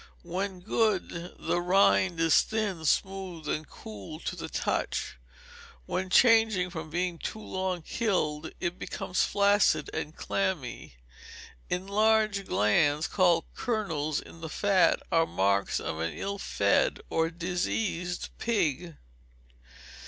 When good, the rind is thin, smooth, and cool to the touch; when changing, from being too long killed, it becomes flaccid and clammy. Enlarged glands, called kernels, in the fat, are marks of an ill fed or diseased pig.